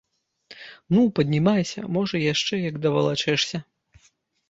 Ну, паднімайся, можа яшчэ як давалачэшся!